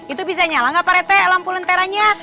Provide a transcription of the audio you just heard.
itu bisa nyala nggak pak rt lampu lentera nya